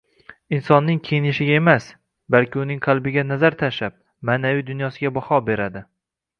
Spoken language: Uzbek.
Insonning kiyinishiga emas, balki uning qalbiga nazar tashlab, maʼnaviy dunyosiga baho beradi.